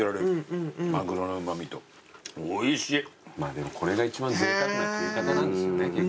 でもこれが一番ぜいたくな食い方なんですよね。